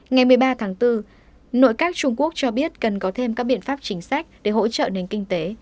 ngày một mươi ba tháng bốn nội các trung quốc cho biết cần có thêm các biện pháp chính sách để hỗ trợ nền kinh tế